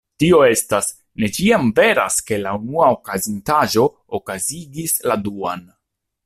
Tio estas, ne ĉiam veras ke la unua okazintaĵo okazigis la duan.